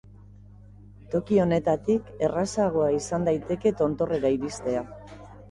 Toki honetatik, errazagoa izan daiteke tontorrera iristea.